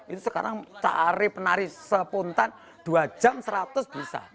itu sekarang cari penari sepuntan dua jam seratus bisa